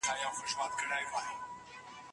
ښځې د خپل خاوند په لور په بیړه ګامونه واخیستل.